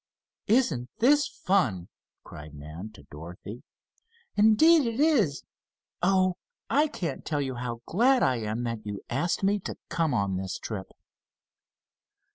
"Isn't this fun?" cried Nan to Dorothy. "Indeed it is! Oh, I can't tell you how glad I am that you asked me to come on this trip!"